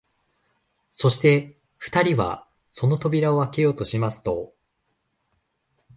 そして二人はその扉をあけようとしますと、